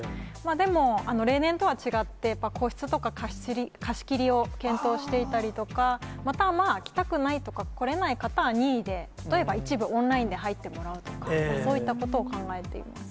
でも、例年とは違って、やっぱり個室とか貸し切りを検討していたりとか、また、来たくないとか、来れない方は、任意で、例えば一部オンラインで入ってもらうとか、そういったことを考えています。